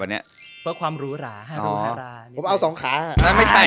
วันเนี้ยเพราะความฮ่ะผมเอาสองค้าใช่ไหมไม่ใช่